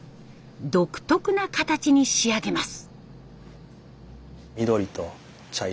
独特な形に仕上げます。